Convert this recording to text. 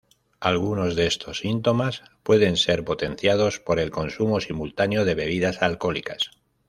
Algunos de estos síntomas pueden ser potenciados por el consumo simultáneo de bebidas alcohólicas.